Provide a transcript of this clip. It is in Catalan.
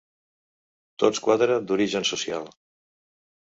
Tots quatre d’origen social.